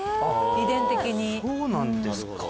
遺伝的にそうなんですか